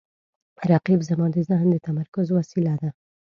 رقیب زما د ذهن د تمرکز وسیله ده